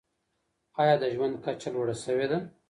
ایا د ژوند کچه لوړه سوي ده؟